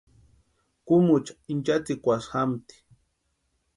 Kúmucha inchatsikwasï jámti.